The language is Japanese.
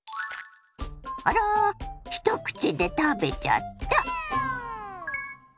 あら一口で食べちゃった！